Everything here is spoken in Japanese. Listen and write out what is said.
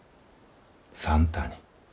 算太に。